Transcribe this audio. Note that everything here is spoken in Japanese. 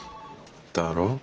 だろ。